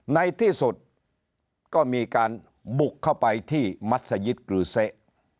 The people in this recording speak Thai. ในที่สุดก็มีการบุกเข้าไปที่มัศยิตกรือเสะ